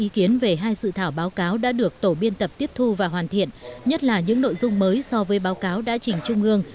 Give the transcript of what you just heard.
ý kiến về hai dự thảo báo cáo đã được tổ biên tập tiếp thu và hoàn thiện nhất là những nội dung mới so với báo cáo đã trình trung ương